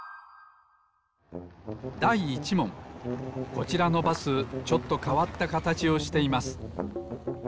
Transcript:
こちらのバスちょっとかわったかたちをしています。